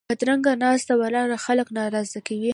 بدرنګه ناسته ولاړه خلک ناراضه کوي